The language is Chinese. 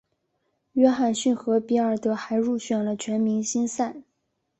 约翰逊和比尔德还入选了全明星赛。